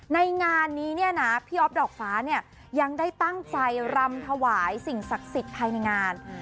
ในงานนี้เนี่ยนะพี่อ๊อฟดอกฟ้าเนี่ยยังได้ตั้งใจรำถวายสิ่งศักดิ์สิทธิ์ภายในงาน